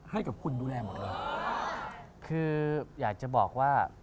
ให้คุณดูแลหมดเลย